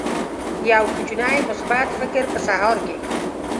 یو کوچنی مثبت فکر په سهار کې